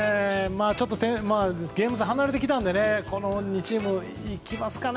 ゲーム差は離れてきたのでこの２チームが行きますかね